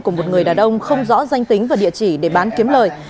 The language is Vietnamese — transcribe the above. cùng một người đà đông không rõ danh tính và địa chỉ để bán kiếm lời